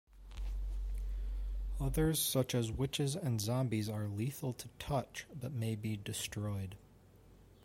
Others such as witches and zombies are lethal to touch but may be destroyed.